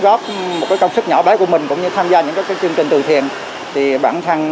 góp một cái công sức nhỏ bé của mình cũng như tham gia những chương trình từ thiền thì bản thân